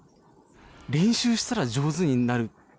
練習したら上手になる。